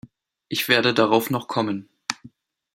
Ich werde darauf noch kommen.